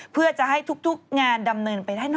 เพื่อจะให้ทุกงานดำเนินไปได้เนอ